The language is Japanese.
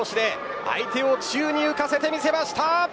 払腰で相手を宙に浮かせてみせました。